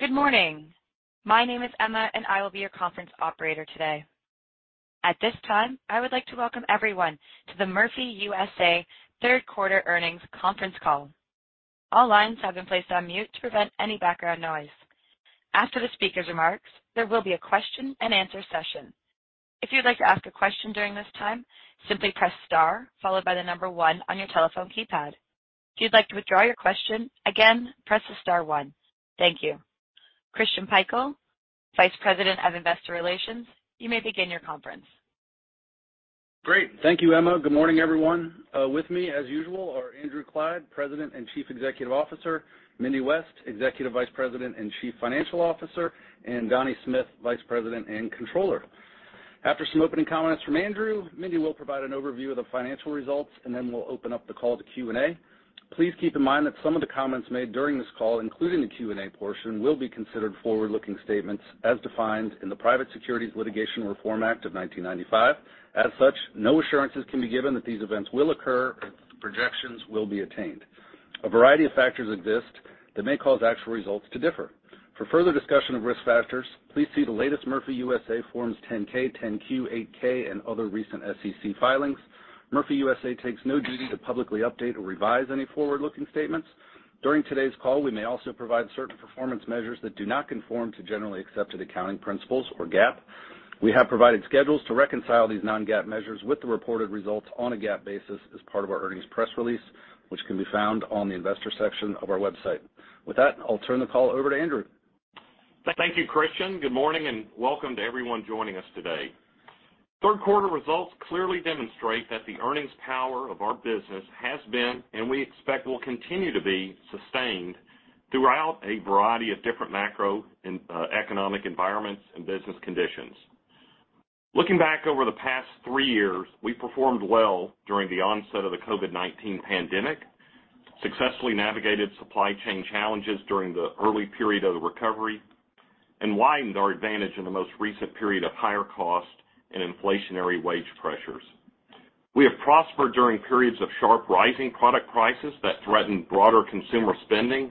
Good morning. My name is Emma, and I will be your conference operator today. At this time, I would like to welcome everyone to The Murphy USA Q3 Earnings Conference Call. All lines have been placed on mute to prevent any background noise. After the speaker's remarks, there will be a question-and-answer session. If you'd like to ask a question during this time, simply press star followed by the number one on your telephone keypad. If you'd like to withdraw your question, again, press the star one. Thank you. Christian Pikul, Vice President of Investor Relations, you may begin your conference. Great. Thank you, Emma. Good morning, everyone. With me, as usual, are Andrew Clyde, president and chief executive officer, Mindy West, executive vice president and chief financial officer, and Donnie Smith, vice president and controller. After some opening comments from Andrew, Mindy will provide an overview of the financial results, and then we'll open up the call to Q&A. Please keep in mind that some of the comments made during this call, including the Q&A portion, will be considered forward-looking statements as defined in the Private Securities Litigation Reform Act of 1995. As such, no assurances can be given that these events will occur or projections will be attained. A variety of factors exist that may cause actual results to differ. For further discussion of risk factors, please see the latest Murphy USA Forms 10-K, 10-Q, 8-K, and other recent SEC filings. Murphy USA takes no duty to publicly update or revise any forward-looking statements. During today's call, we may also provide certain performance measures that do not conform to generally accepted accounting principles or GAAP. We have provided schedules to reconcile these non-GAAP measures with the reported results on a GAAP basis as part of our earnings press release, which can be found on the investor section of our website. With that, I'll turn the call over to Andrew. Thank you, Christian. Good morning and welcome to everyone joining us today. Q3 results clearly demonstrate that the earnings power of our business has been, and we expect will continue to be, sustained throughout a variety of different macro and economic environments and business conditions. Looking back over the past three years, we performed well during the onset of the COVID-19 pandemic, successfully navigated supply chain challenges during the early period of the recovery, and widened our advantage in the most recent period of higher cost and inflationary wage pressures. We have prospered during periods of sharp rising product prices that threatened broader consumer spending,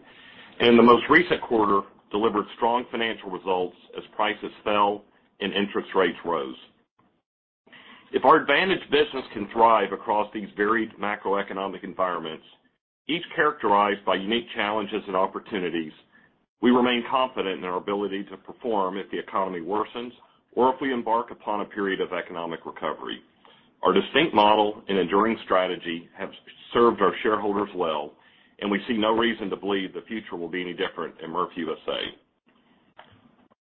and in the most recent quarter, delivered strong financial results as prices fell and interest rates rose. If our advantage business can thrive across these varied macroeconomic environments, each characterized by unique challenges and opportunities, we remain confident in our ability to perform if the economy worsens or if we embark upon a period of economic recovery. Our distinct model and enduring strategy have served our shareholders well, and we see no reason to believe the future will be any different in Murphy USA.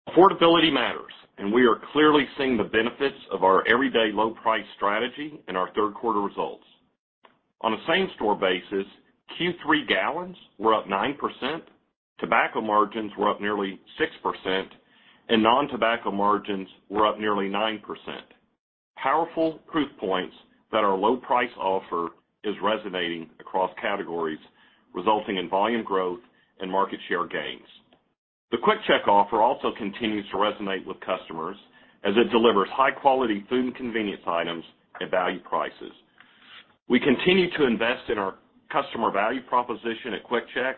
Affordability matters, and we are clearly seeing the benefits of our everyday low price strategy in our Q3 results. On a same-store basis, Q3 gallons were up 9%, tobacco margins were up nearly 6%, and non-tobacco margins were up nearly 9%. Powerful proof points that our low price offer is resonating across categories, resulting in volume growth and market share gains. The QuickChek offer also continues to resonate with customers as it delivers high-quality food and convenience items at value prices. We continue to invest in our customer value proposition at QuickChek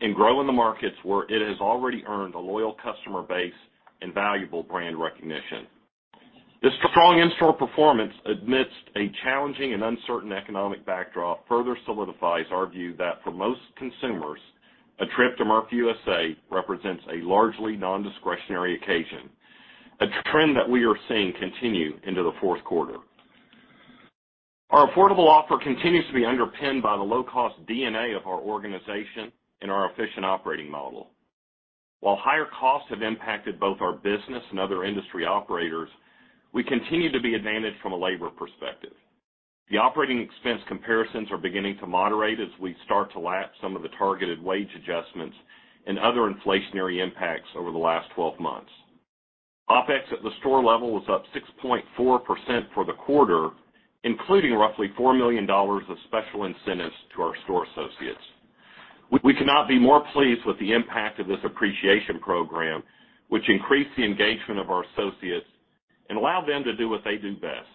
and grow in the markets where it has already earned a loyal customer base and valuable brand recognition. This strong in-store performance amidst a challenging and uncertain economic backdrop further solidifies our view that for most consumers, a trip to Murphy USA represents a largely non-discretionary occasion, a trend that we are seeing continue into the Q4. Our affordable offer continues to be underpinned by the low-cost DNA of our organization and our efficient operating model. While higher costs have impacted both our business and other industry operators, we continue to be advantaged from a labour perspective. The operating expense comparisons are beginning to moderate as we start to lap some of the targeted wage adjustments and other inflationary impacts over the last 12 months. OpEx at the store level was up 6.4% for the quarter, including roughly $4 million of special incentives to our store associates. We cannot be more pleased with the impact of this appreciation program, which increased the engagement of our associates and allowed them to do what they do best,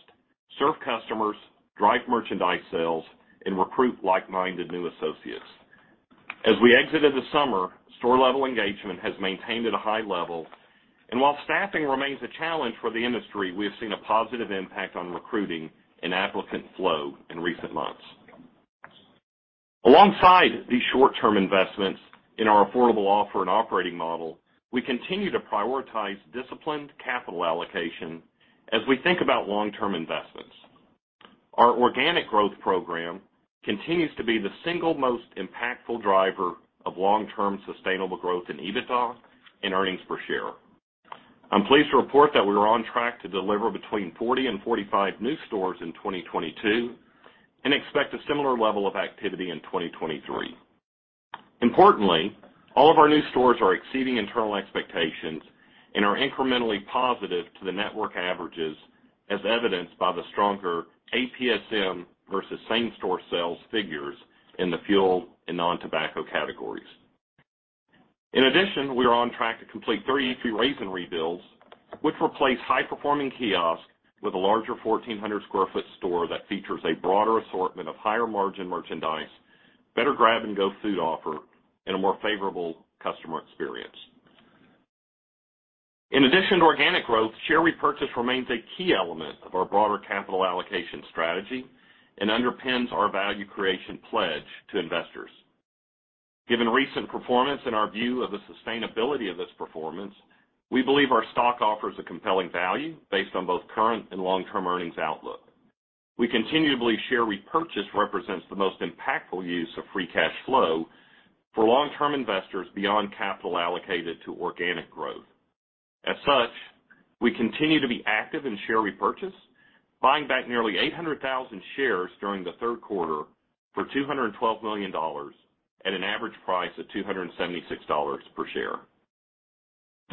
serve customers, drive merchandise sales, and recruit like-minded new associates. As we exited the summer, store-level engagement has maintained at a high level, and while staffing remains a challenge for the industry, we have seen a positive impact on recruiting and applicant flow in recent months. Alongside these short-term investments in our affordable offer and operating model, we continue to prioritize disciplined capital allocation as we think about long-term investments. Our organic growth program continues to be the single most impactful driver of long-term sustainable growth in EBITDA and earnings per share. I'm pleased to report that we are on track to deliver between 40 and 45 new stores in 2022 and expect a similar level of activity in 2023. Importantly, all of our new stores are exceeding internal expectations and are incrementally positive to the network averages, as evidenced by the stronger APSM versus same-store sales figures in the fuel and non-tobacco categories. In addition, we are on track to complete 30 raise and rebuilds which replace high-performing kiosk with a larger 1,400 sq ft store that features a broader assortment of higher margin merchandise, better grab-and-go food offering, and a more favourable customer experience. In addition to organic growth, share repurchase remains a key element of our broader capital allocation strategy and underpins our value creation pledge to investors. Given recent performance and our view of the sustainability of this performance, we believe our stock offers a compelling value based on both current and long-term earnings outlook. Continued share repurchase represents the most impactful use of free cash flow for long-term investors beyond capital allocated to organic growth. As such, we continue to be active in share repurchase, buying back nearly 800,000 shares during the Q3 for $212 million at an average price of $276 per share.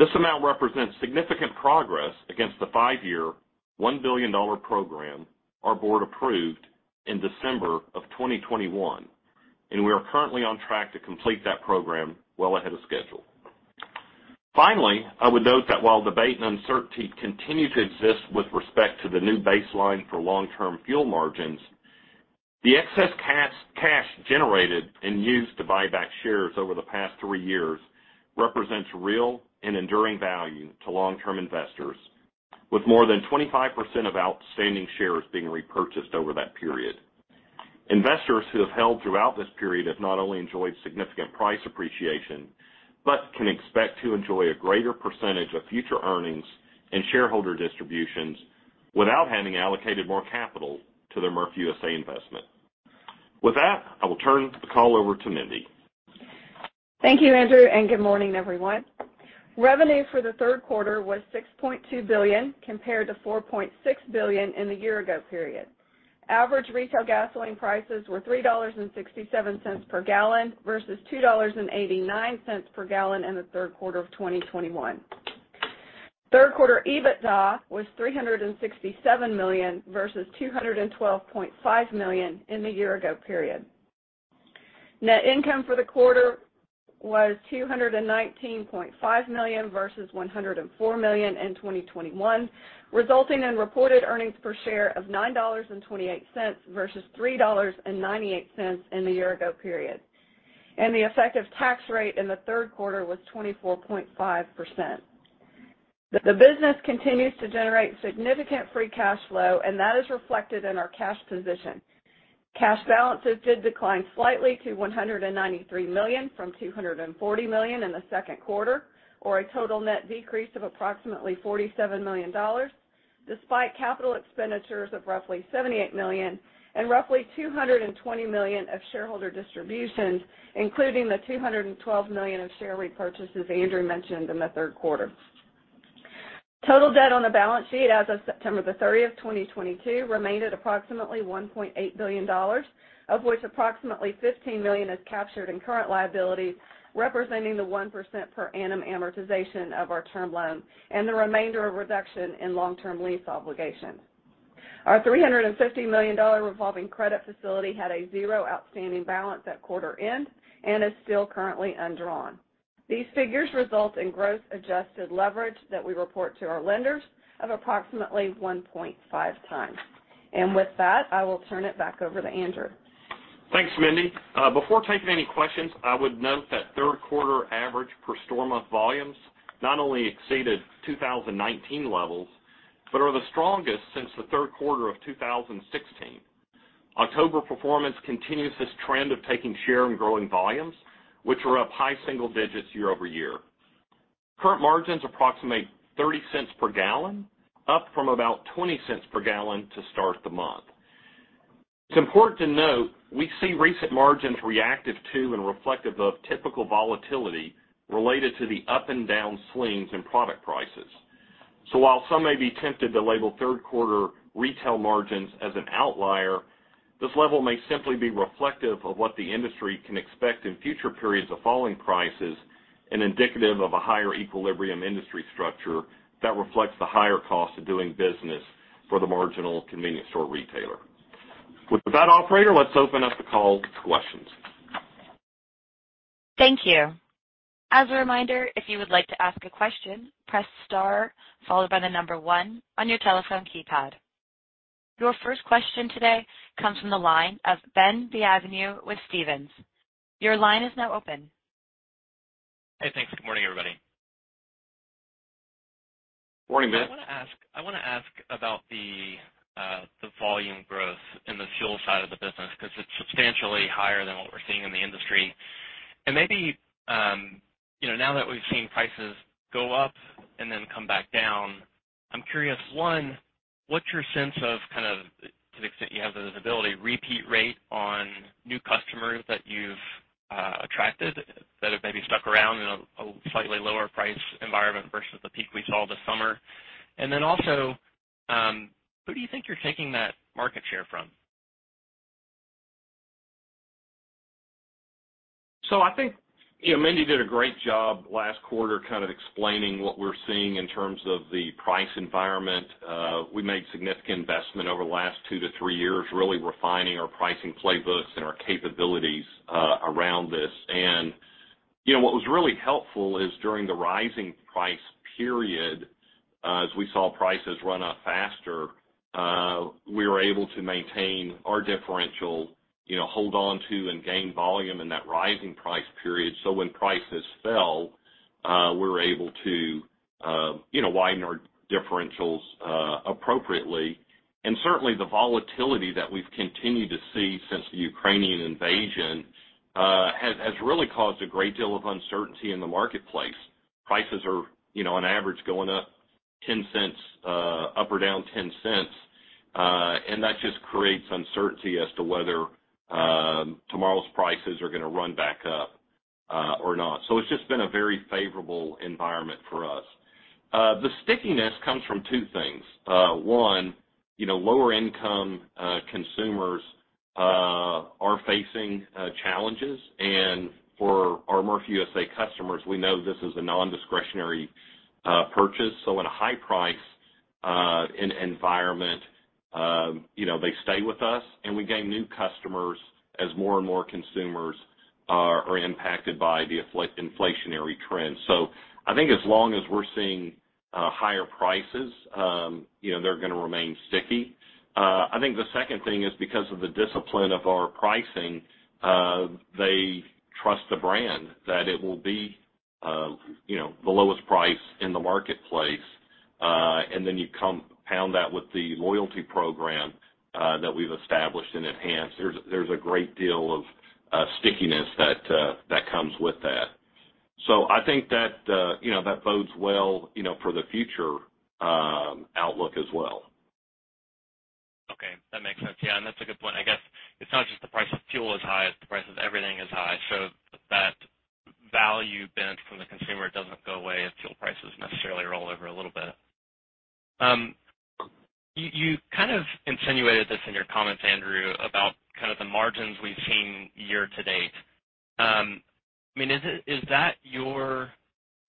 This amount represents significant progress against the five-year, $1 billion program our board approved in December of 2021, and we are currently on track to complete that program well ahead of schedule. Finally, I would note that while debate and uncertainty continue to exist with respect to the new baseline for long-term fuel margins, the excess cash generated and used to buy back shares over the past three years represents real and enduring value to long-term investors, with more than 25% of outstanding shares being repurchased over that period. Investors who have held throughout this period have not only enjoyed significant price appreciation, but can expect to enjoy a greater percentage of future earnings and shareholder distributions without having allocated more capital to their Murphy USA investment. With that, I will turn the call over to Mindy. Thank you, Andrew, and good morning, everyone. Revenue for the Q3 was $6.2 billion compared to $4.6 billion in the year ago period. Average retail gasoline prices were $3.67 per gallon versus $2.89 per gallon in the Q3 of 2021. Q3 EBITDA was $367 million versus $212.5 million in the year ago period. Net income for the quarter was $219.5 million versus $104 million in 2021, resulting in reported earnings per share of $9.28 versus $3.98 in the year ago period. The effective tax rate in the Q3 was 24.5%. The business continues to generate significant free cash flow, and that is reflected in our cash position. Cash balances did decline slightly to $193 million from $240 million in the Q2, or a total net decrease of approximately $47 million, despite capital expenditures of roughly $78 million and roughly $220 million of shareholder distributions, including the $212 million of share repurchases Andrew mentioned in the Q3. Total debt on the balance sheet as of September 30, 2022, remained at approximately $1.8 billion, of which approximately $15 million is captured in current liabilities, representing the 1% per annum amortization of our term loan and the remainder of reduction in long-term lease obligations. Our $350 million revolving credit facility had a $0.00 Outstanding balance at quarter end and is still currently undrawn. These figures result in gross adjusted leverage that we report to our lenders of approximately 1.5x. With that, I will turn it back over to Andrew. Thanks, Mindy. Before taking any questions, I would note that Q3 average per store month volumes not only exceeded 2019 levels, but are the strongest since the Q3 of 2016. October performance continues this trend of taking share and growing volumes, which were up high single digits year-over-year. Current margins approximate $0.30 per gallon, up from about $0.20 per gallon to start the month. It's important to note we see recent margins reactive to and reflective of typical volatility related to the up and down swings in product prices. While some may be tempted to label Q3 retail margins as an outlier, this level may simply be reflective of what the industry can expect in future periods of falling prices and indicative of a higher equilibrium industry structure that reflects the higher cost of doing business for the marginal convenience store retailer. With that, operator, let's open up the call to questions. Thank you. As a reminder, if you would like to ask a question, press star followed by the number one on your telephone keypad. Your first question today comes from the line of Ben Bienvenu with Stephens. Your line is now open. Hey, thanks. Good morning, everybody. Morning, Ben. I want to ask about the volume growth in the fuel side of the business because it's substantially higher than what we're seeing in the industry. Maybe, you know, now that we've seen prices go up and then come back down, I'm curious, one, what's your sense of kind of, to the extent you have the visibility, repeat rate on new customers that you've attracted that have maybe stuck around in a slightly lower price environment versus the peak we saw this summer? Then also, who do you think you're taking that market share from? I think, you know, Mindy did a great job last quarter kind of explaining what we're seeing in terms of the price environment. We made significant investment over the last two to three years, really refining our pricing playbooks and our capabilities around this. You know, what was really helpful is during the rising price period, as we saw prices run up faster, we were able to maintain our differential, you know, hold on to and gain volume in that rising price period. When prices fell, we were able to, you know, widen our differentials appropriately. Certainly the volatility that we've continued to see since the Ukrainian invasion has really caused a great deal of uncertainty in the marketplace. Prices are, you know, on average, going up $0.10, up or down $0.10, and that just creates uncertainty as to whether, tomorrow's prices are gonna run back up, or not. It's just been a very favourable environment for us. The stickiness comes from two things. One, you know, lower income consumers are facing challenges. For our Murphy USA customers, we know this is a non-discretionary purchase. In a high price environment, you know, they stay with us and we gain new customers as more and more consumers are impacted by the inflationary trends. I think as long as we're seeing higher prices, you know, they're gonna remain sticky. I think the second thing is because of the discipline of our pricing, they trust the brand that it will be, you know, the lowest price in the marketplace. Then you compound that with the loyalty program that we've established and enhanced. There's a great deal of stickiness that comes with that. I think that, you know, that bodes well, you know, for the future outlook as well. Okay, that makes sense. Yeah, that's a good point. I guess it's not just the price of fuel is high, it's the price of everything is high. That value bent from the consumer doesn't go away if fuel prices necessarily roll over a little bit. You kind of insinuated this in your comments, Andrew, about kind of the margins we've seen year to date. I mean, is that your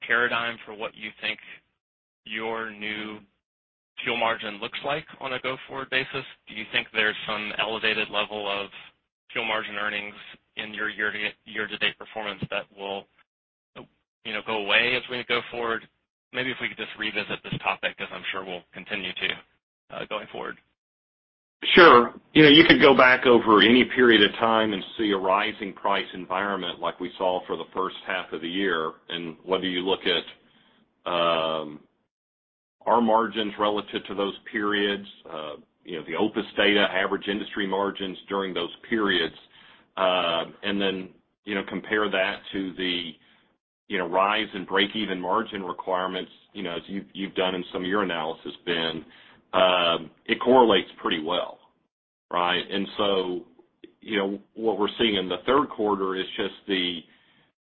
paradigm for what you think your new fuel margin looks like on a go-forward basis? Do you think there's some elevated level of fuel margin earnings in your year to date performance that will, you know, go away as we go forward? Maybe if we could just revisit this topic, as I'm sure we'll continue to going forward. Sure. You know, you could go back over any period of time and see a rising price environment like we saw for the first half of the year. Whether you look at our margins relative to those periods, you know, the OPIS data, average industry margins during those periods, and then, you know, compare that to the, you know, RINs and break-even margin requirements, you know, as you've done in some of your analysis, Ben, it correlates pretty well, right? You know, what we're seeing in the Q3 is just the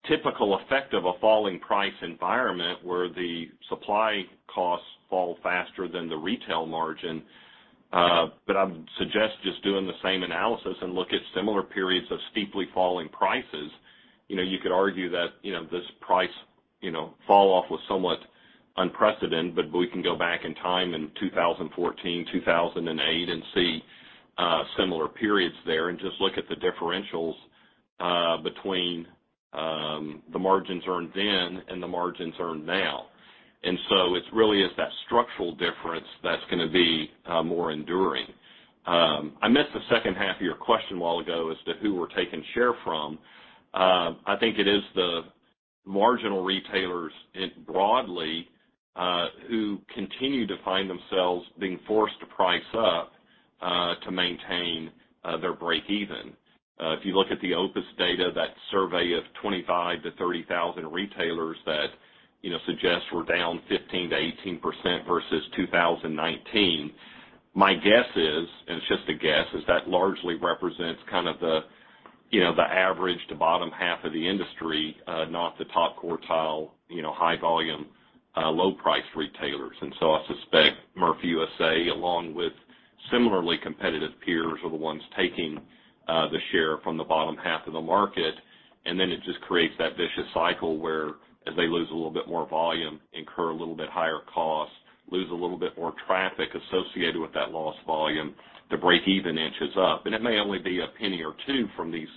typical effect of a falling price environment where the supply costs fall faster than the retail margin. I would suggest just doing the same analysis and look at similar periods of steeply falling prices. You know, you could argue that, you know, this price, you know, fall off was somewhat unprecedented, but we can go back in time in 2014, 2008 and see similar periods there and just look at the differentials between the margins earned then and the margins earned now. It's really is that structural difference that's gonna be more enduring. I missed the second half of your question a while ago as to who we're taking share from. I think it is the marginal retailers broadly who continue to find themselves being forced to price up to maintain their breakeven. If you look at the OPIS data, that survey of 25,000 to 30,000 retailers that, you know, suggests we're down 15% to 18% versus 2019, my guess is, and it's just a guess, is that largely represents kind of the, you know, the average to bottom half of the industry, not the top quartile, you know, high volume, low price retailers. It just creates that vicious cycle where as they lose a little bit more volume, incur a little bit higher costs, lose a little bit more traffic associated with that lost volume, the break even inches up. It may only be a penny or two from these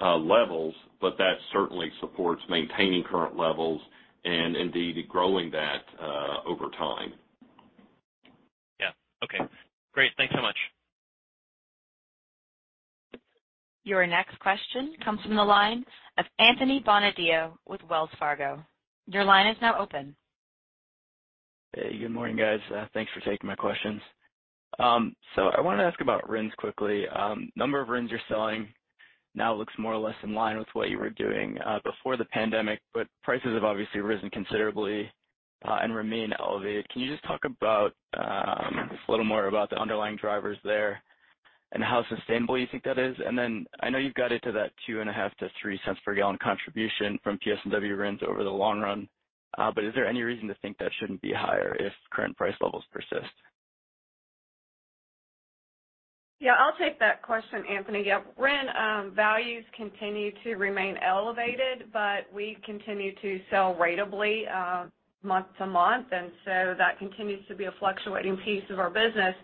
levels, but that certainly supports maintaining current levels and indeed growing that over time. Yeah. Okay, great. Thanks so much. Your next question comes from the line of Anthony Bonadio with Wells Fargo. Your line is now open. Hey, good morning, guys. Thanks for taking my questions. I wanna ask about RINs quickly. Number of RINs you're selling now looks more or less in line with what you were doing before the pandemic, but prices have obviously risen considerably and remain elevated. Can you just talk about just a little more about the underlying drivers there and how sustainable you think that is? Then I know you've got it to that $0.025 to $0.03 per gallon contribution from PS&W RINs over the long run, but is there any reason to think that shouldn't be higher if current price levels stay? Yeah, I'll take that question, Anthony. Yeah, RIN values continue to remain elevated, but we continue to sell rateably, month to month. That continues to be a fluctuating piece of our business.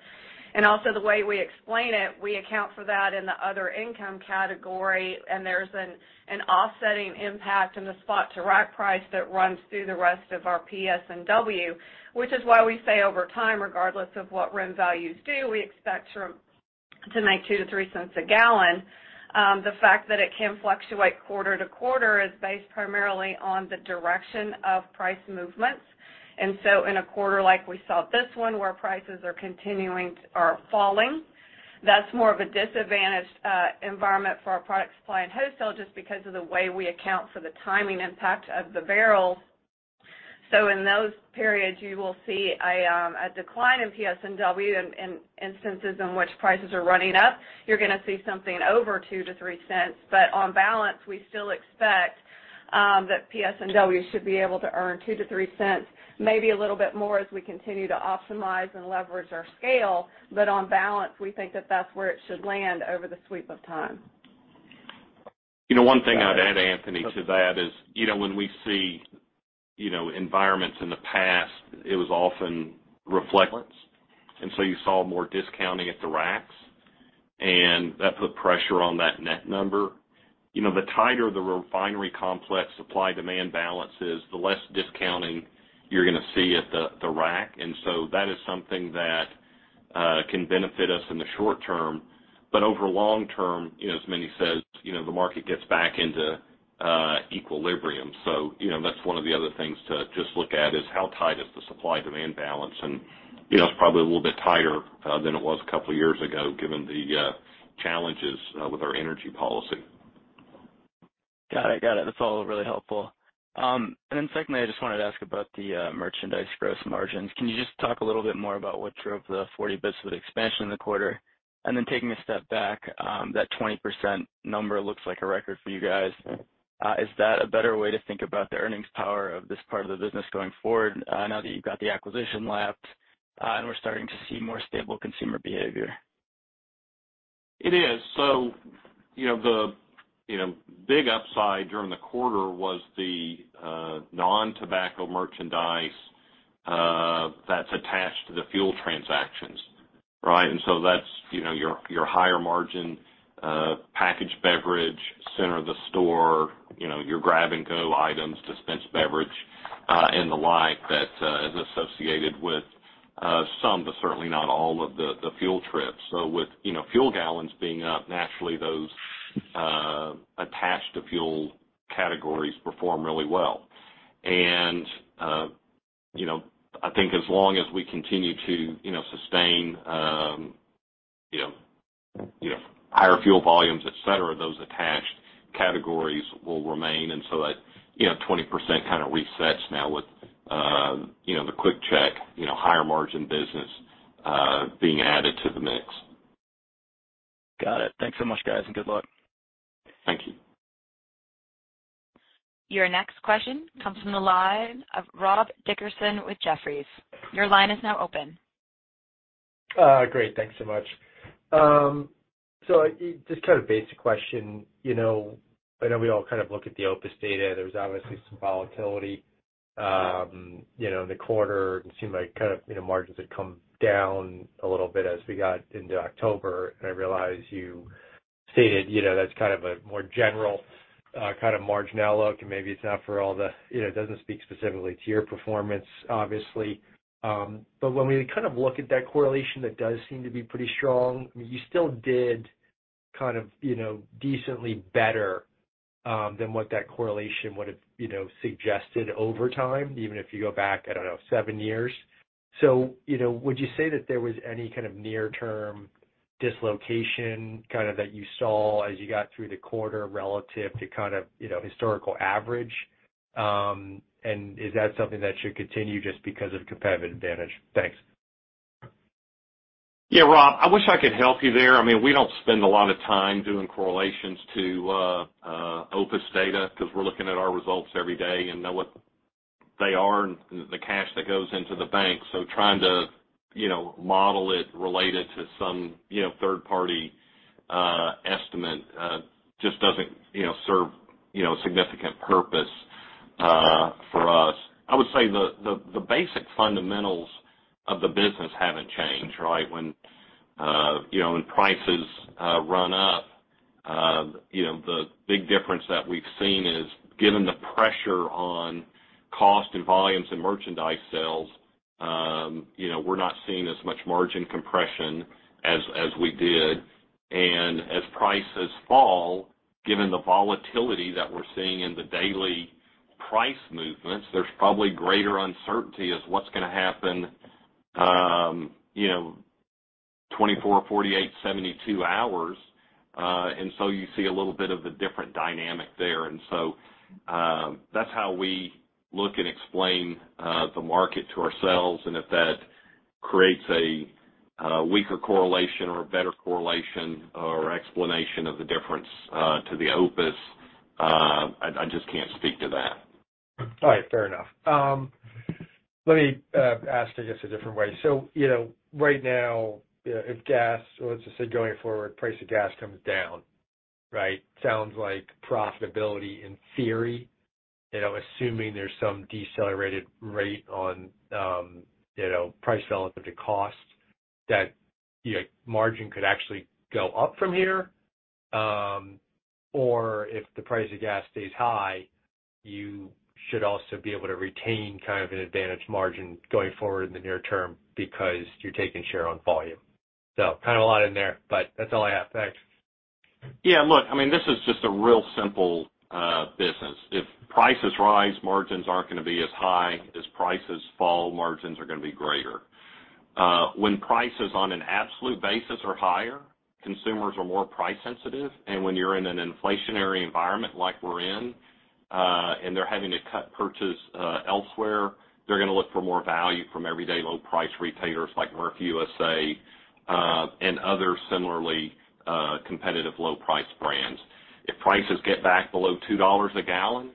Also the way we explain it, we account for that in the other income category, and there's an offsetting impact in the spot to rack price that runs through the rest of our PS&W. Which is why we say over time, regardless of what RIN values do, we expect to make $0.02 to $0.03 a gallon. The fact that it can fluctuate quarter to quarter is based primarily on the direction of price movements. In a quarter like we saw this one, where prices are falling, that's more of a disadvantaged environment for our product supply and wholesale just because of the way we account for the timing impact of the barrels. In those periods, you will see a decline in PS&W. In instances in which prices are running up, you're gonna see something over $0.02 to $0.03. On balance, we still expect that PS&W should be able to earn $0.02 to $0.03, maybe a little bit more as we continue to optimize and leverage our scale. On balance, we think that that's where it should land over the sweep of time. You know, one thing I'd add, Anthony, to that is, you know, when we see, you know, environments in the past, it was often reflected, and so you saw more discounting at the racks, and that put pressure on that net number. You know, the tighter the refinery complex supply-demand balance is, the less discounting you're gonna see at the rack. That is something that can benefit us in the short term. But over long term, you know, as Mindy says, you know, the market gets back into equilibrium. You know, that's one of the other things to just look at is how tight is the supply-demand balance? You know, it's probably a little bit tighter than it was a couple of years ago, given the challenges with our energy policy. Got it, got it. That's all really helpful. Then secondly, I just wanted to ask about the merchandise gross margins. Can you just talk a little bit more about what drove the 40 basis point expansion in the quarter? Taking a step back, that 20% number looks like a record for you guys. Is that a better way to think about the earnings power of this part of the business going forward, now that you've got the acquisition lapped, and we're starting to see more stable consumer behaviour? It is. You know, the big upside during the quarter was the non-tobacco merchandise that's attached to the fuel transactions, right? That's you know, your higher margin packaged beverage, centre of the store, you know, your grab-and-go items, dispensed beverage and the like that is associated with some, but certainly not all of the fuel trips. With you know, fuel gallons being up, naturally, those attached to fuel categories perform really well. You know, I think as long as we continue to you know, sustain you know, higher fuel volumes, et cetera, those attached categories will remain. That you know, 20% kind of resets now with you know, the QuickChek you know, higher margin business being added to the mix. Got it. Thanks so much, guys, and good luck. Thank you. Your next question comes from the line of Rob Dickerson with Jefferies. Your line is now open. Great. Thanks so much. So just kind of basic question. You know, I know we all kind of look at the OPIS data. There's obviously some volatility. You know, in the quarter, it seemed like kind of, you know, margins had come down a little bit as we got into October. I realize you stated, you know, that's kind of a more general, kind of margin outlook, and maybe it's not for all the, you know, it doesn't speak specifically to your performance, obviously. When we kind of look at that correlation, that does seem to be pretty strong. You still did kind of, you know, decently better, than what that correlation would have, you know, suggested over time, even if you go back, I don't know, seven years. You know, would you say that there was any kind of near term dislocation kind of that you saw as you got through the quarter relative to kind of, you know, historical average? Is that something that should continue just because of competitive advantage? Thanks. Yeah, Rob, I wish I could help you there. I mean, we don't spend a lot of time doing correlations to OPIS data because we're looking at our results every day and know what they are and the cash that goes into the bank. So trying to, you know, model it related to some, you know, third party estimate just doesn't, you know, serve, you know, significant purpose for us. I would say the basic fundamentals of the business haven't changed, right? When you know, when prices run up, you know, the big difference that we've seen is given the pressure on cost and volumes and merchandise sales, you know, we're not seeing as much margin compression as we did. As prices fall, given the volatility that we're seeing in the daily price movements, there's probably greater uncertainty as what's gonna happen, you know, 24, 48, 72 hours. You see a little bit of a different dynamic there. That's how we look and explain the market to ourselves. If that creates a weaker correlation or a better correlation or explanation of the difference to the OPIS, I just can't speak to that. All right, fair enough. Let me ask, I guess, a different way. You know, right now, if gas, let's just say going forward, price of gas comes down, right? Sounds like profitability in theory, you know, assuming there's some decelerated rate on, you know, price relative to cost, that your margin could actually go up from here. If the price of gas stays high, you should also be able to retain kind of an advantaged margin going forward in the near term because you're taking share on volume. Kind of a lot in there, but that's all I have. Thanks. Yeah, look, I mean, this is just a real simple business. If prices rise, margins aren't gonna be as high. As prices fall, margins are gonna be greater. When prices on an absolute basis are higher, consumers are more price sensitive. When you're in an inflationary environment like we're in, and they're having to cut purchases elsewhere, they're gonna look for more value from everyday low price retailers like Murphy USA and other similarly competitive low price brands. If prices get back below $2 a gallon,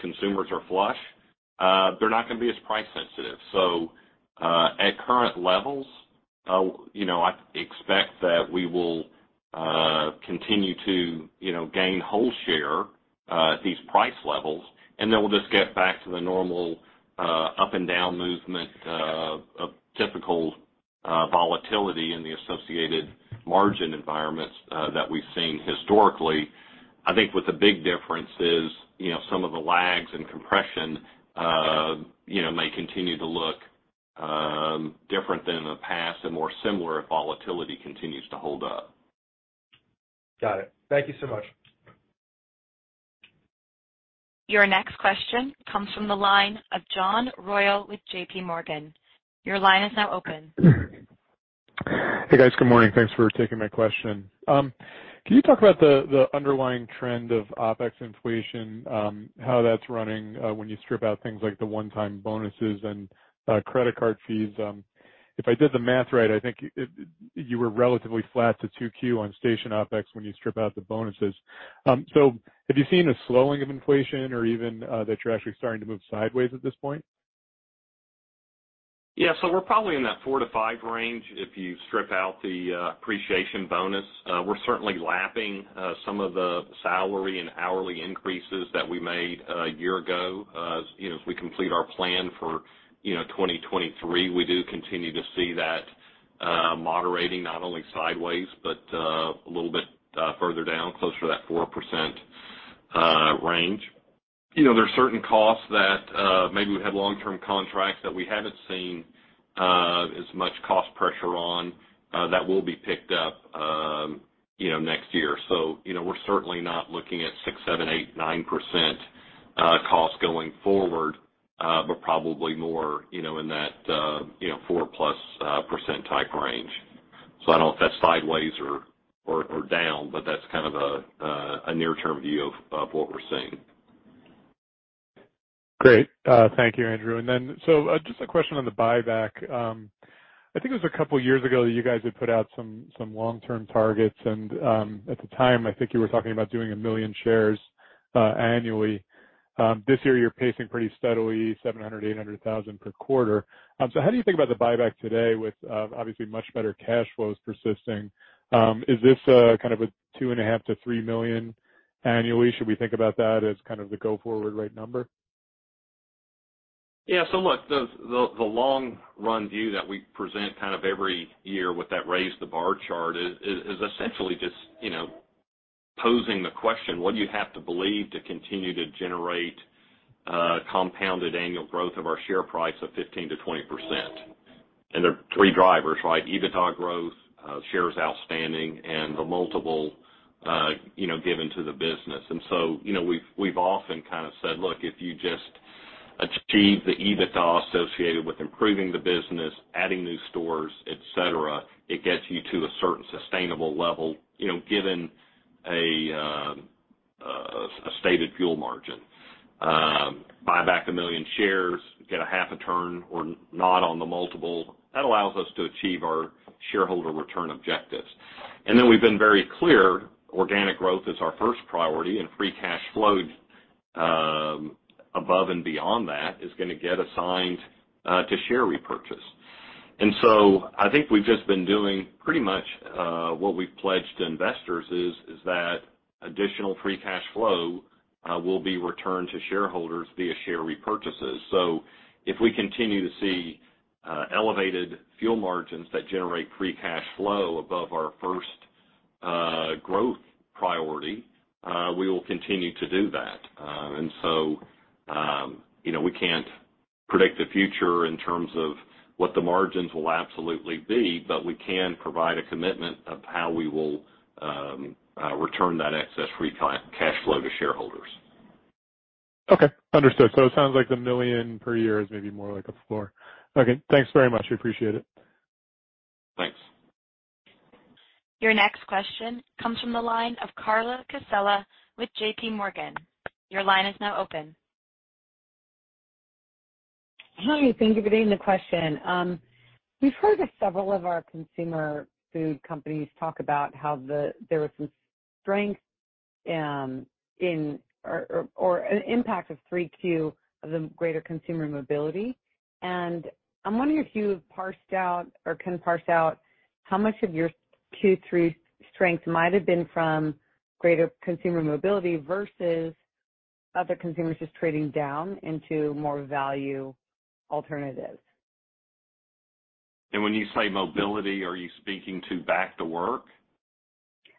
consumers are flush, they're not gonna be as price sensitive. At current levels, you know, I expect that we will continue to, you know, gain market share at these price levels. We'll just get back to the normal, up and down movement of typical volatility in the associated margin environments that we've seen historically. I think what the big difference is, you know, some of the lags and compression, you know, may continue to look different than in the past and more similar if volatility continues to hold up. Got it. Thank you so much. Your next question comes from the line of John Royall with JPMorgan. Your line is now open. Hey, guys. Good morning. Thanks for taking my question. Can you talk about the underlying trend of OpEx inflation, how that's running, when you strip out things like the one-time bonuses and credit card fees? If I did the math right, I think you were relatively flat to 2Q on station OpEx when you strip out the bonuses. Have you seen a slowing of inflation or even that you're actually starting to move sideways at this point? Yeah. We're probably in that four to five range if you strip out the appreciation bonus. We're certainly lapping some of the salary and hourly increases that we made a year ago. You know, as we complete our plan for 2023, we do continue to see that moderating not only sideways, but a little bit further down, closer to that 4% range. You know, there are certain costs that maybe we have long-term contracts that we haven't seen as much cost pressure on that will be picked up, you know, next year. We're certainly not looking at 6, 7, 8, 9% costs going forward, but probably more, you know, in that 4+% type range. I don't know if that's sideways or down, but that's kind of a near-term view of what we're seeing. Great. Thank you, Andrew. Just a question on the buyback. I think it was a couple years ago that you guys had put out some long-term targets, and at the time, I think you were talking about doing 1 million shares annually. This year, you're pacing pretty steadily, 700 to 800 thousand per quarter. How do you think about the buyback today with obviously much better cash flows persisting? Is this kind of a 2.5 to 3 million annually? Should we think about that as kind of the go forward rate number? Look, the long run view that we present kind of every year with that raise the bar chart is essentially just, you know, posing the question, what do you have to believe to continue to generate compounded annual growth of our share price of 15% to 20%? There are three drivers, right? EBITDA growth, shares outstanding, and the multiple, you know, given to the business. You know, we've often kind of said, look, if you just achieve the EBITDA associated with improving the business, adding new stores, et cetera, it gets you to a certain sustainable level, you know, given a stated fuel margin. Buy back 1 million shares, get a half a turn or not on the multiple, that allows us to achieve our shareholder return objectives. We've been very clear, organic growth is our first priority, and free cash flow above and beyond that is gonna get assigned to share repurchase. I think we've just been doing pretty much what we've pledged to investors is that additional free cash flow will be returned to shareholders via share repurchases. If we continue to see elevated fuel margins that generate free cash flow above our first growth priority, we will continue to do that. You know, we can't predict the future in terms of what the margins will absolutely be, but we can provide a commitment of how we will return that excess free cash flow to shareholders. Okay. Understood. It sounds like the $1 million per year is maybe more like a floor. Okay. Thanks very much. We appreciate it. Thanks. Your next question comes from the line of Carla Casella with JPMorgan. Your line is now open. Hi. Thank you for getting the question. We've heard several of our consumer food companies talk about how there was some strength in Q3 from the greater consumer mobility. I'm wondering if you've parsed out or can parse out how much of your Q3 strength might have been from greater consumer mobility versus other consumers just trading down into more value alternatives. When you say mobility, are you speaking to back to work?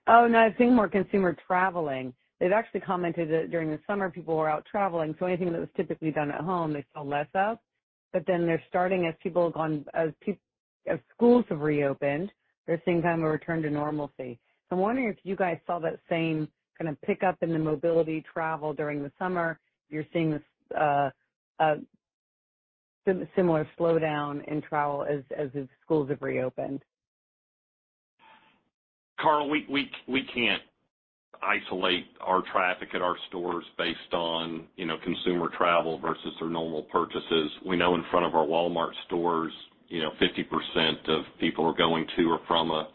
Oh, no. I think more consumer traveling. They've actually commented that during the summer, people were out traveling, so anything that was typically done at home, they saw less of. Then they're starting as schools have reopened, they're seeing kind of a return to normalcy. I'm wondering if you guys saw that same gonna pick up in the mobility travel during the summer. You're seeing this similar slowdown in travel as the schools have reopened. Carla, we can't isolate our traffic at our stores based on, you know, consumer travel versus their normal purchases. We know in front of our Walmart stores, you know, 50% of people are going to or from a,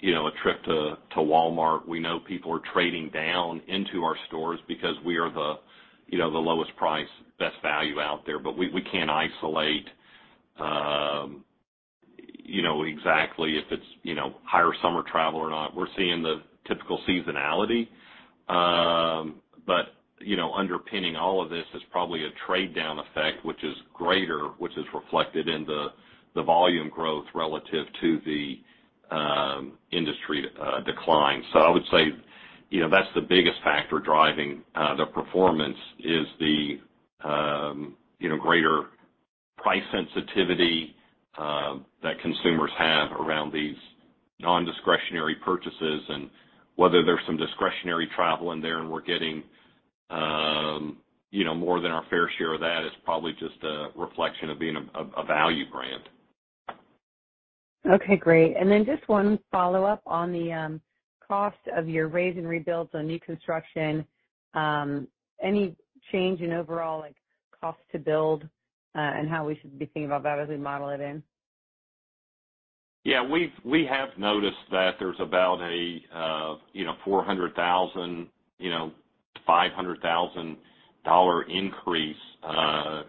you know, a trip to Walmart. We know people are trading down into our stores because we are the, you know, the lowest price, best value out there. But we can't isolate, you know, exactly if it's, you know, higher summer travel or not. We're seeing the typical seasonality. But, you know, underpinning all of this is probably a trade down effect, which is greater, which is reflected in the volume growth relative to the industry decline. I would say, you know, that's the biggest factor driving the performance is the, you know, greater price sensitivity that consumers have around these nondiscretionary purchases and whether there's some discretionary travel in there, and we're getting, you know, more than our fair share of that is probably just a reflection of being a value brand. Okay, great. Just one follow-up on the cost of your raise and rebuilds, so new construction, any change in overall, like, cost to build, and how we should be thinking about that as we model it in? Yeah. We have noticed that there's about a $400,000 to $500,000 increase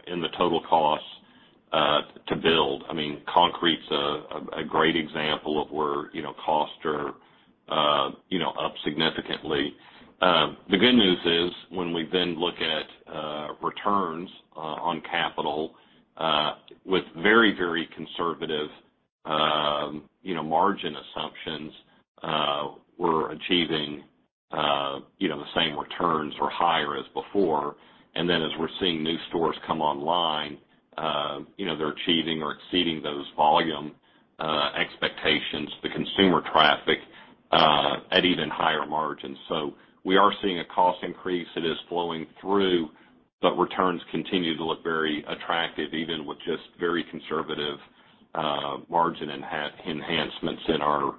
in the total cost to build. I mean, concrete's a great example of where you know costs are up significantly. The good news is when we then look at returns on capital with very very conservative you know margin assumptions we're achieving you know the same returns or higher as before. As we're seeing new stores come online you know they're achieving or exceeding those volume expectations, the consumer traffic at even higher margins. We are seeing a cost increase. It is flowing through, but returns continue to look very attractive, even with just very conservative margin enhancements in our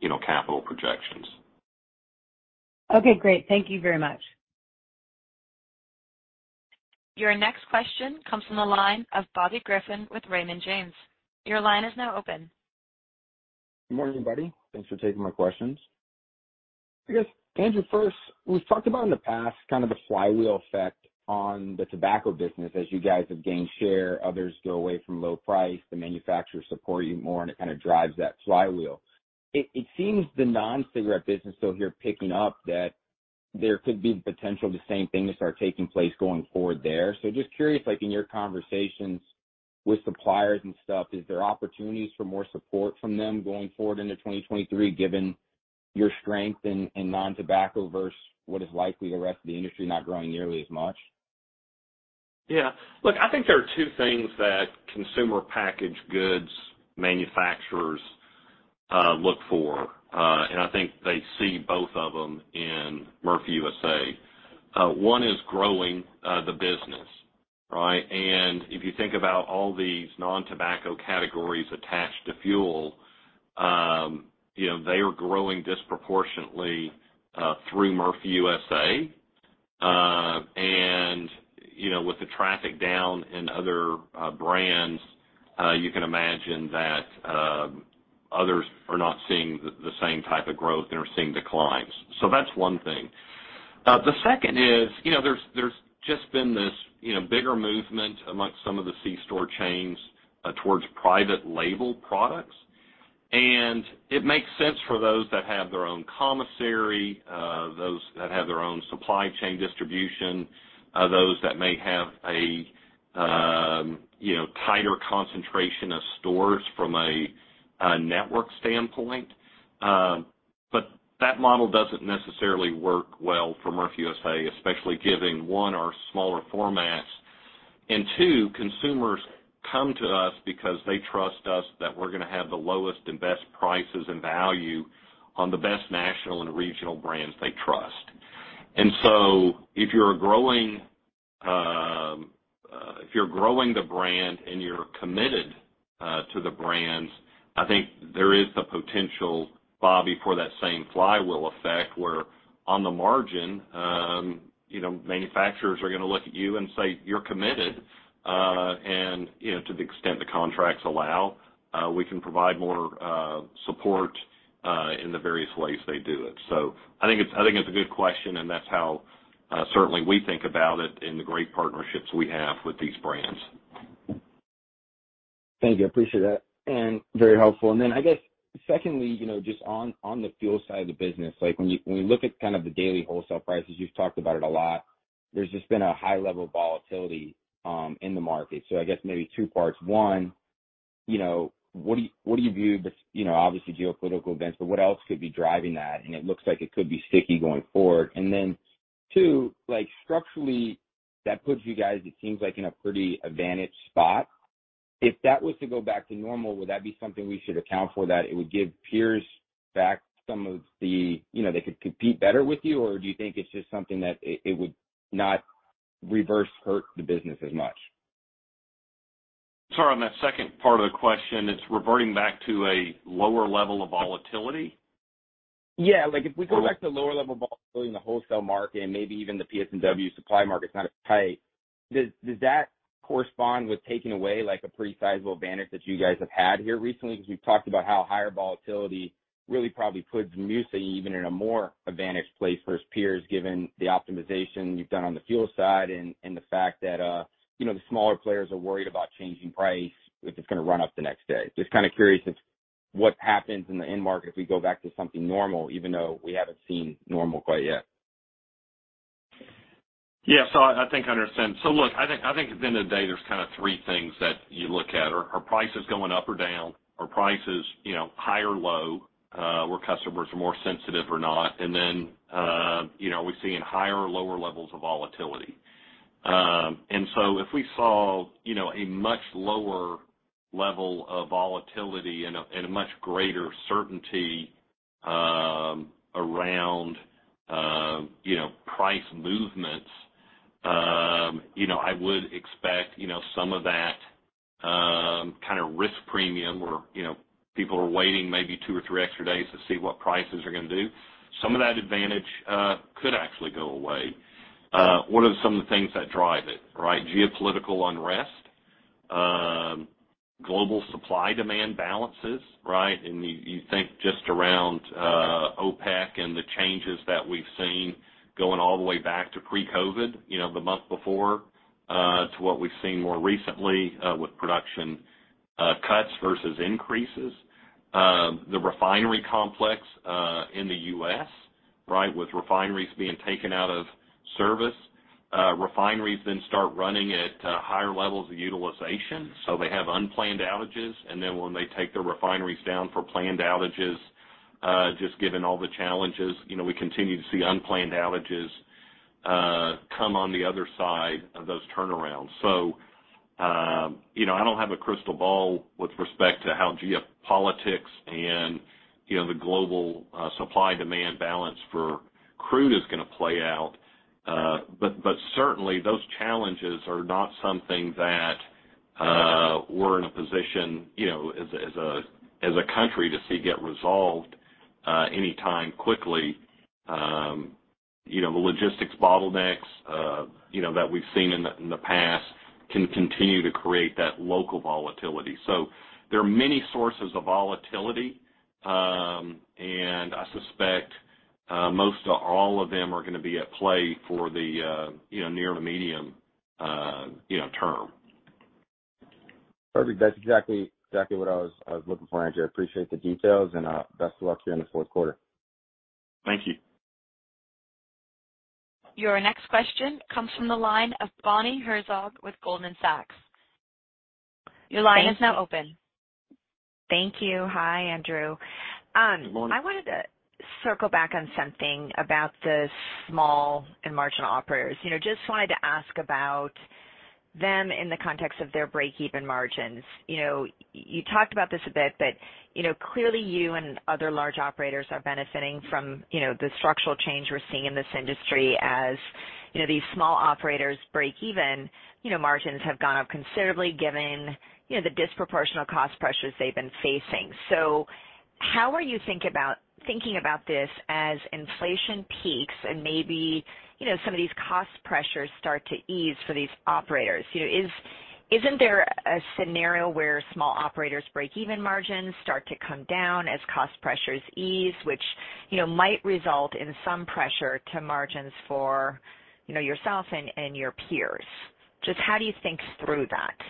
you know capital projections. Okay, great. Thank you very much. Your next question comes from the line of Bobby Griffin with Raymond James. Your line is now open. Good morning, buddy. Thanks for taking my questions. I guess, Andrew, first, we've talked about in the past kind of the flywheel effect on the tobacco business. As you guys have gained share, others go away from low price, the manufacturers support you more, and it kind of drives that flywheel. It seems the non-cigarette business though is picking up that there could be potential the same thing to start taking place going forward there. Just curious, like in your conversations with suppliers and stuff, is there opportunities for more support from them going forward into 2023, given your strength in non-tobacco versus what is likely the rest of the industry not growing nearly as much? Yeah. Look, I think there are two things that consumer packaged goods manufacturers look for, and I think they see both of them in Murphy USA. One is growing the business, right? If you think about all these non-tobacco categories attached to fuel, you know, they are growing disproportionately through Murphy USA. You know, with the traffic down in other brands, you can imagine that others are not seeing the same type of growth, they're seeing declines. That's one thing. The second is, you know, there's just been this bigger movement amongst some of the C-store chains towards private label products. It makes sense for those that have their own commissary, those that have their own supply chain distribution, those that may have a, you know, tighter concentration of stores from a network standpoint. That model doesn't necessarily work well for Murphy USA, especially given, one, our smaller formats, and two, consumers come to us because they trust us that we're gonna have the lowest and best prices and value on the best national and regional brands they trust. If you're growing the brand and you're committed to the brands, I think there is the potential, Bobby, for that same flywheel effect where, on the margin, you know, manufacturers are gonna look at you and say you're committed, and, you know, to the extent the contracts allow, we can provide more support in the various ways they do it. I think it's a good question, and that's how certainly we think about it in the great partnerships we have with these brands. Thank you. I appreciate that, and very helpful. Then I guess, secondly, you know, just on the fuel side of the business, like when we look at kind of the daily wholesale prices, you've talked about it a lot. There's just been a high level of volatility in the market. I guess maybe two parts. One, you know, what do you view the, you know, obviously geopolitical events, but what else could be driving that? It looks like it could be sticky going forward. Then two, like structurally, that puts you guys, it seems like in a pretty advantaged spot. If that was to go back to normal, would that be something we should account for that it would give peers back some of the, you know, they could compete better with you? Do you think it's just something that it would not reverse hurt the business as much? Sorry, on that second part of the question, it's reverting back to a lower level of volatility? Yeah. Like, if we go back to lower level volatility in the wholesale market and maybe even the PS&W supply market's not as tight, does that correspond with taking away like a pretty sizable advantage that you guys have had here recently? 'Cause we've talked about how higher volatility really probably puts MUSA even in a more advantaged place versus peers, given the optimization you've done on the fuel side and the fact that, you know, the smaller players are worried about changing price if it's gonna run up the next day. Just kind of curious if what happens in the end market if we go back to something normal, even though we haven't seen normal quite yet. Yeah. I think I understand. Look, I think at the end of the day, there's kind of three things that you look at. Are prices going up or down? Are prices, you know, high or low, where customers are more sensitive or not? And then, you know, are we seeing higher or lower levels of volatility? If we saw, you know, a much lower level of volatility and a much greater certainty around, you know, price movements, you know, I would expect, you know, some of that, kind of risk premium where, you know, people are waiting maybe two or three extra days to see what prices are gonna do. Some of that advantage could actually go away. What are some of the things that drive it, right? Geopolitical unrest, global supply-demand balances, right? You think just around OPEC and the changes that we've seen going all the way back to pre-COVID, you know, the month before to what we've seen more recently with production cuts versus increases. The refinery complex in the U.S., right? With refineries being taken out of service. Refineries then start running at higher levels of utilization, so they have unplanned outages. When they take the refineries down for planned outages, just given all the challenges, you know, we continue to see unplanned outages come on the other side of those turnarounds. You know, I don't have a crystal ball with respect to how geopolitics and, you know, the global supply-demand balance for crude is gonna play out. Certainly those challenges are not something that we're in a position, you know, as a country to see get resolved anytime quickly. You know, the logistics bottlenecks, you know, that we've seen in the past can continue to create that local volatility. There are many sources of volatility, and I suspect most or all of them are gonna be at play for the near to medium term. Perfect. That's exactly what I was looking for, Andrew. I appreciate the details, and best of luck here in the Q4. Thank you. Your next question comes from the line of Bonnie Herzog with Goldman Sachs. Your line is now open. Thank you. Hi, Andrew. Bonnie. I wanted to circle back on something about the small and marginal operators. You know, just wanted to ask about them in the context of their breakeven margins. You know, you talked about this a bit, but, you know, clearly you and other large operators are benefiting from, you know, the structural change we're seeing in this industry. As, you know, these small operators break even, you know, margins have gone up considerably given, you know, the disproportionate cost pressures they've been facing. How are you thinking about this as inflation peaks and maybe, you know, some of these cost pressures start to ease for these operators? You know, isn't there a scenario where small operators' break even margins start to come down as cost pressures ease, which, you know, might result in some pressure to margins for, you know, yourself and your peers? Just how do you think through that? Yeah.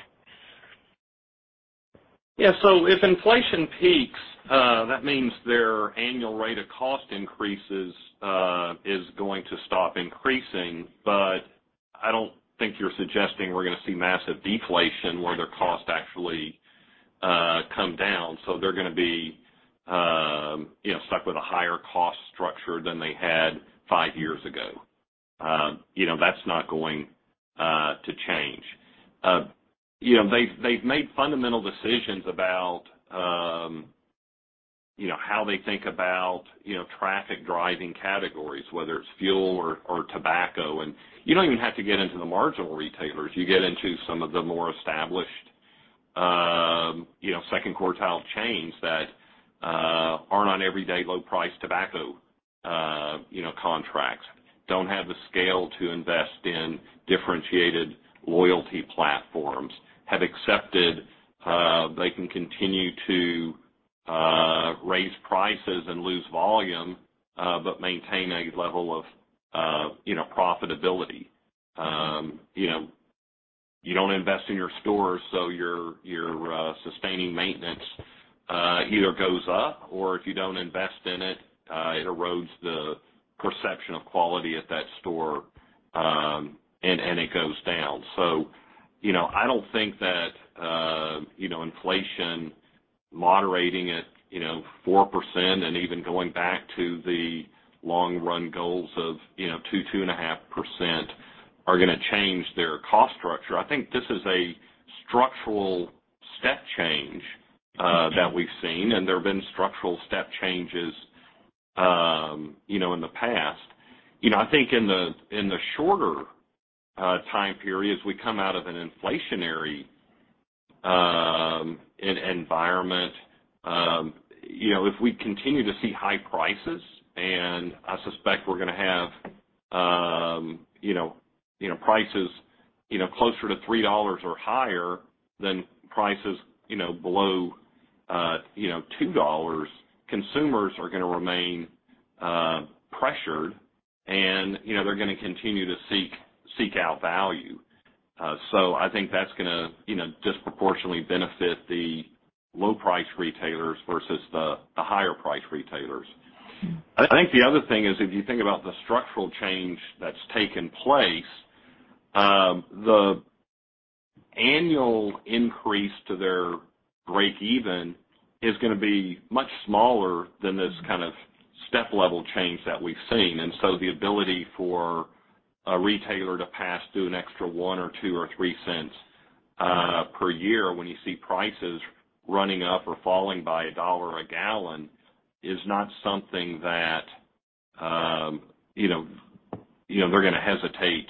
If inflation peaks, that means their annual rate of cost increases is going to stop increasing. I don't think you're suggesting we're gonna see massive deflation where their costs actually come down. They're gonna be, you know, stuck with a higher cost structure than they had five years ago. You know, that's not going to change. You know, they've made fundamental decisions about, you know, how they think about, you know, traffic driving categories, whether it's fuel or tobacco. You don't even have to get into the marginal retailers. You get into some of the more established, you know, second quartile chains that aren't on everyday low price tobacco, you know, contracts, don't have the scale to invest in differentiated loyalty platforms, have accepted they can continue to raise prices and lose volume but maintain a level of, you know, profitability. You know, you don't invest in your stores, so your sustaining maintenance either goes up, or if you don't invest in it erodes the perception of quality at that store, and it goes down. You know, I don't think that, you know, inflation moderating at, you know, 4% and even going back to the long run goals of, you know, 2.5% are gonna change their cost structure. I think this is a structural step change that we've seen, and there have been structural step changes you know in the past. You know I think in the shorter time periods we come out of an inflationary environment. You know if we continue to see high prices, and I suspect we're gonna have you know prices you know closer to $3 or higher than prices you know below $2, consumers are gonna remain pressured, and you know they're gonna continue to seek out value. I think that's gonna you know disproportionately benefit the low price retailers versus the higher price retailers. I think the other thing is if you think about the structural change that's taken place, the annual increase to their breakeven is gonna be much smaller than this kind of step level change that we've seen. The ability for a retailer to pass through an extra $0.01 or $0.02 or $0.03 Per year when you see prices running up or falling by $1 a gallon is not something that, you know, they're gonna hesitate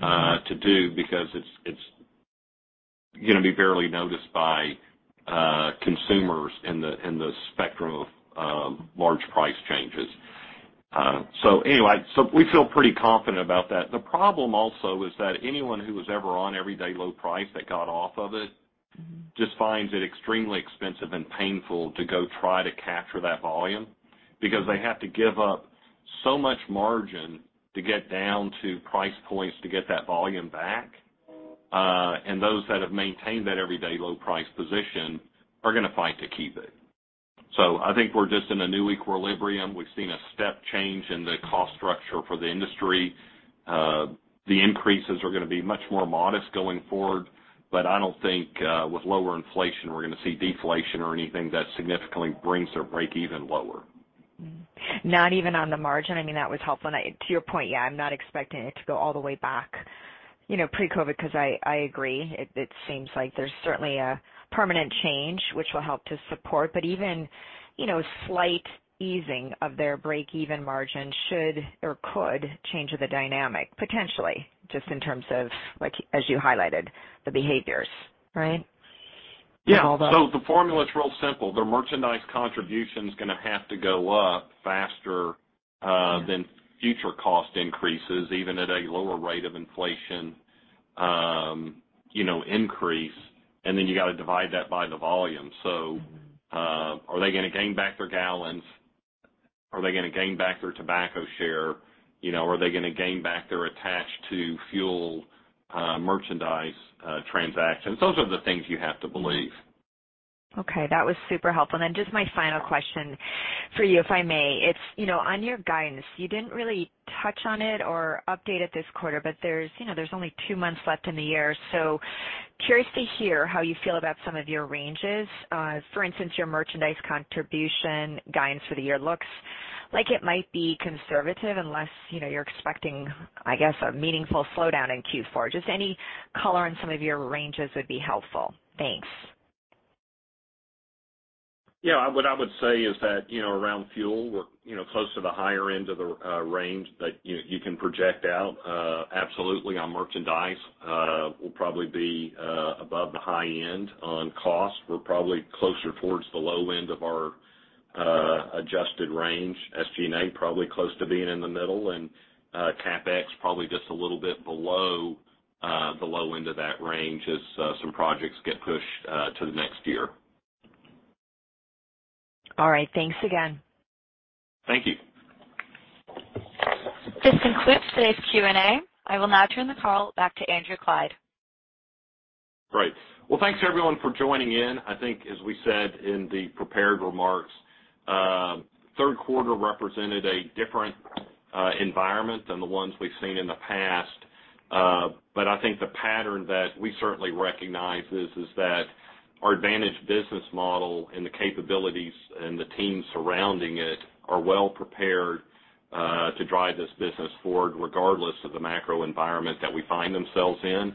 to do because it's gonna be barely noticed by consumers in the spectrum of large price changes. We feel pretty confident about that. The problem also is that anyone who was ever on everyday low price that got off of it just finds it extremely expensive and painful to go try to capture that volume because they have to give up so much margin to get down to price points to get that volume back. Those that have maintained that everyday low price position are gonna fight to keep it. I think we're just in a new equilibrium. We've seen a step change in the cost structure for the industry. The increases are gonna be much more modest going forward, but I don't think, with lower inflation, we're gonna see deflation or anything that significantly brings their breakeven lower. Not even on the margin? I mean, that was helpful. To your point, yeah, I'm not expecting it to go all the way back, you know, pre-COVID 'cause I agree. It seems like there's certainly a permanent change which will help to support. Even, you know, slight easing of their breakeven margin should or could change the dynamic, potentially, just in terms of, like, as you highlighted, the behaviours, right? Yeah. The formula is real simple. Their merchandise contribution's gonna have to go up faster than future cost increases, even at a lower rate of inflation, you know, increase, and then you gotta divide that by the volume. Are they gonna gain back their gallons? Are they gonna gain back their tobacco share? You know, are they gonna gain back their attached to fuel, merchandise, transactions? Those are the things you have to believe. Okay, that was super helpful. Just my final question for you, if I may. It's, you know, on your guidance, you didn't really touch on it or update it this quarter, but there's, you know, there's only two months left in the year. Curious to hear how you feel about some of your ranges. For instance, your merchandise contribution guidance for the year looks like it might be conservative unless, you know, you're expecting, I guess, a meaningful slowdown in Q4. Just any color on some of your ranges would be helpful. Thanks. Yeah. What I would say is that, you know, around fuel, we're, you know, close to the higher end of the range that you can project out. Absolutely on merchandise, we'll probably be above the high end. On cost, we're probably closer towards the low end of our adjusted range. SG&A, probably close to being in the middle. CapEx, probably just a little bit below the low end of that range as some projects get pushed to the next year. All right, thanks again. Thank you. This concludes today's Q&A. I will now turn the call back to Andrew Clyde. Great. Well, thanks everyone for joining in. I think as we said in the prepared remarks, Q3 represented a different environment than the ones we've seen in the past. I think the pattern that we certainly recognize is that our advantage business model and the capabilities and the team surrounding it are well prepared to drive this business forward, regardless of the macro environment that we find themselves in.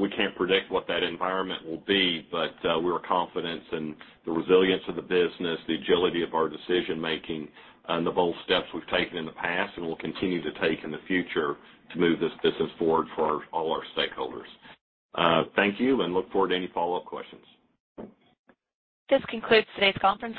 We can't predict what that environment will be, but we're confident in the resilience of the business, the agility of our decision-making, and the bold steps we've taken in the past and will continue to take in the future to move this business forward for all our stakeholders. Thank you, and look forward to any follow-up questions. This concludes today's conference.